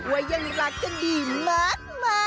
ว่ายังรักกันดีมาก